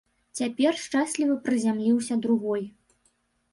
Цяпер шчасліва прызямліўся другой.